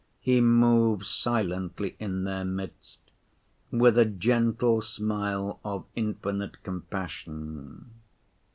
He moves silently in their midst with a gentle smile of infinite compassion.